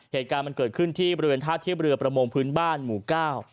เหตุการณ์มันเกิดขึ้นที่บริเวณท่าเทียบเรือประมงพื้นบ้านหมู่เก้า